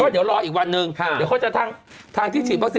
ก็เดี๋ยวรออีกวันหนึ่งเขาจะทางที่ฉีดวัคซีน